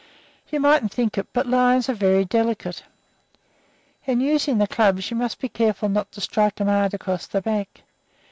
You mightn't think it, but lions are very delicate. In using the clubs, you must be careful not to strike 'em hard across the back.